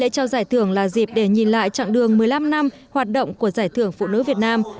lễ trao giải thưởng là dịp để nhìn lại chặng đường một mươi năm năm hoạt động của giải thưởng phụ nữ việt nam